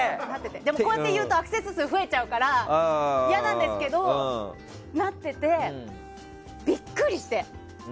こうやって言うとアクセス数が増えちゃうから嫌なんですけど、なっててビックリして。